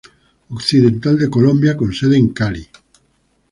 Occidental de Colombia con sede en Cali.